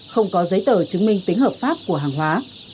không có giấy tờ chứng minh tính hợp pháp của hàng hóa